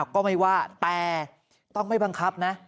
ก็ไม่ว่าแต่ต้องไม่บังคับนะ